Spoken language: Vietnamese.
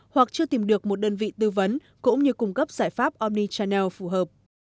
hoặc chưa tìm được một đơn vị tư vấn cũng như cung cấp giải pháp omnichannel phù hợp